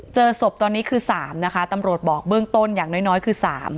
เจอศพตอนนี้คือ๓นะคะตำรวจบอกเบื้องต้นอย่างน้อยคือ๓